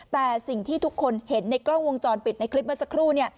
แต่สิ่งที่ทุกคนเห็นในกล้องวงจรปิดในคลิปเมื่อสักครู่